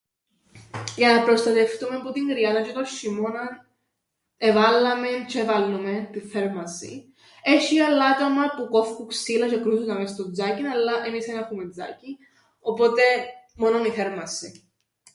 Για να προστατευτούμεν που την κρυάδαν τζ̌αι τον σ̆ειμώναν, εβάλλαμεν τζ̌αι βάλλουμεν την θέρμανσην, έσ̆ει άλλα άτομα που κόφκουν ξύλα τζ̌αι κρούζουν τα μες στο τζάκιν, αλλά εμείς εν έχουμεν τζάκιν, οπότε μόνον η θέρμανση.